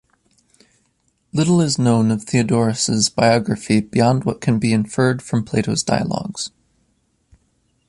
Little is known of Theodorus' biography beyond what can be inferred from Plato's dialogues.